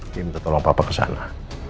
dia minta tolong papa kesana